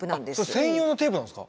専用のテープなんですか？